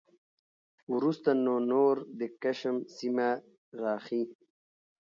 وروسته نو نور د کشم سیمه راخي